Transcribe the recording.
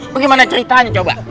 bagaimana ceritanya coba